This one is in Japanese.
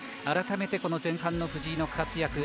改めて前半の藤井の活躍